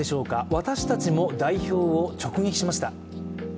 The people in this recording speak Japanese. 私たちも代表を直撃しました。